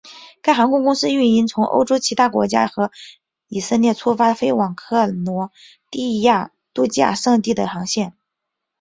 该航空公司运营从欧洲其他国家和以色列出发飞往克罗地亚度假胜地的航线。